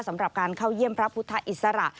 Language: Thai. สำหรับการเข้าเยี่ยมพระพุทธอิสระ